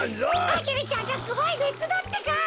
アゲルちゃんがすごいねつだってか！